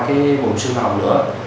cái vùng xương vồng nữa